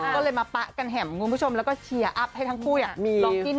ก็เลยมาปะกันแห่มคุณผู้ชมแล้วก็เชียร์อัพให้ทั้งคู่ลองจิ้น